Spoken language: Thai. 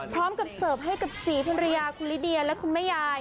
พร้อมกับเสิร์ฟให้กับศรีภรรยาคุณลิเดียและคุณแม่ยาย